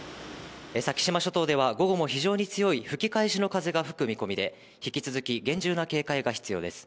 先島諸島では午後も非常に強い吹き返しの風が吹く見込みで、引き続き厳重な警戒が必要です。